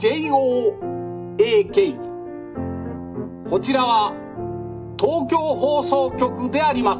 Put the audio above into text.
こちらは東京放送局であります。